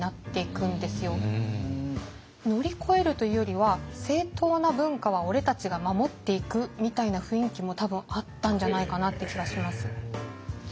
乗り越えるというよりは正統な文化は俺たちが守っていくみたいな雰囲気も多分あったんじゃないかなって気はします。